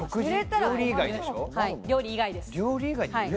料理以外です。